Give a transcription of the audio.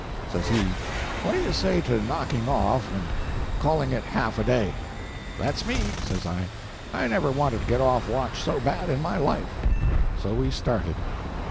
Says he, "What do you say to knocking off and calling it half a day?" "That's me," says I. "I never wanted to get off watch so bad in my life." So we started.